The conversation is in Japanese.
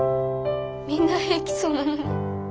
みんな平気そうなのに。